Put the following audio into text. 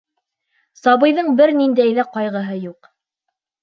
Сабыйҙың бер ниндәй ҙә ҡайғыһы юҡ.